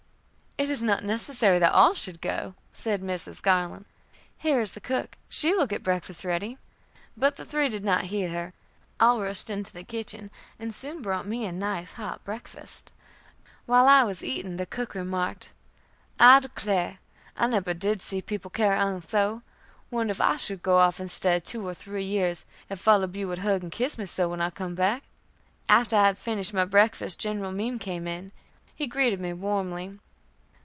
"It is not necessary that all should go," said Mrs. Garland. "Here is the cook, she will get breakfast ready." But the three did not heed her. All rushed to the kitchen, and soon brought me a nice hot breakfast. While I was eating, the cook remarked: "I declar, I nebber did see people carry on so. Wonder if I should go off and stay two or three years, if all ob you wud hug and kiss me so when I cum back?" After I had finished my breakfast, General Meem came in. He greeted me warmly.